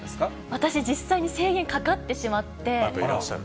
私、実際に制限かかってしまやっぱりいらっしゃる。